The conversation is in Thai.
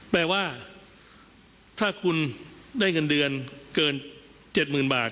แปลว่าถ้าคุณได้เงินเดือนเกิน๗๐๐๐บาท